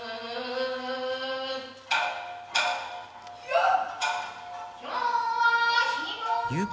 よっ！